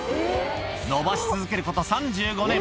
伸ばし続けること３５年。